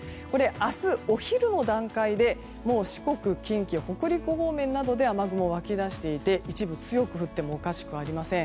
明日、お昼の段階でもう四国、近畿、北陸方面などで雨雲が湧き出していて一部強く降ってもおかしくありません。